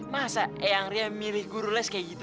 masak yang dia milih guru les kayak gitu